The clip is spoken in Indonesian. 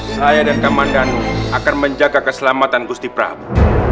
saya dan kak mandandu akan menjaga keselamatan gusti prabu